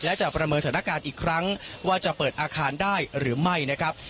และจะประเมินสถานการณ์อีกครั้งว่าจะเปิดอาคารได้หรือไม่นะครับ